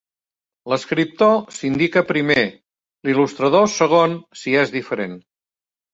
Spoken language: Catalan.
L'escriptor s'indica primer, l'il·lustrador segon si és diferent.